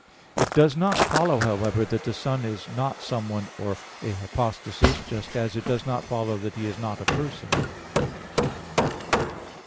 It does not follow, however, that the Son is not "someone" or a hypostasis; just as it does not follow that He is not a person.